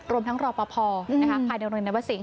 รวมทั้งรอปภนะคะภายในเรือนแนวสิงห์